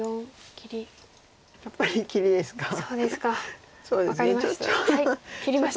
切りました。